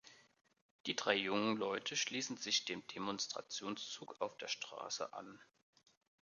Die drei jungen Leute schließen sich dem Demonstrationszug auf der Straße an.